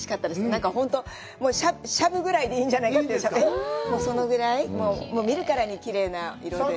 なんか本当にしゃぶぐらいでいいじゃないかというそのぐらい、見るからにきれいな色で。